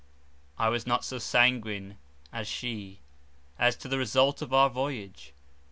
I was not so sanguine as she as to the result of our voyage.